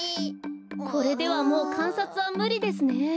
これではもうかんさつはむりですね。